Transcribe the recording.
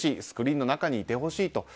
スクリーンの中にいてほしい。